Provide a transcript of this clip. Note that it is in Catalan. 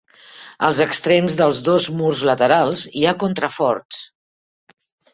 Als extrems dels dos murs laterals hi ha contraforts.